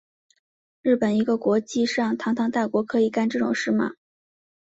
日本一个国际上堂堂大国可以干这种事吗？